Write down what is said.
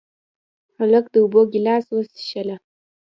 هلک د اوبو ګیلاس وڅښله.